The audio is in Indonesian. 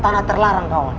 tanah terlarang kawan